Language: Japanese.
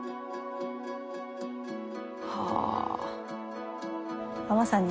はあ。